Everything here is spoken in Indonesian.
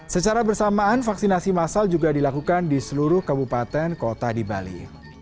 secara bersamaan vaksinasi masal juga dilakukan di seluruh kabupaten kota di bali